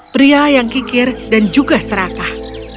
pria yang kikir dan juga serakah